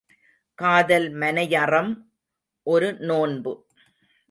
காதல் மனை யறம் ஒரு நோன்பு.